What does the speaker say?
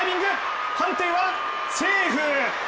判定はセーフ。